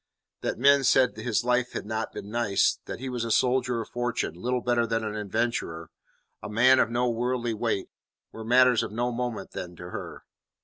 That men said his life had not been nice, that he was a soldier of fortune, little better than an adventurer, a man of no worldly weight, were matters of no moment then to her.